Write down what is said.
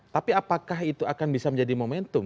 tapi apakah itu akan bisa menjadi momentum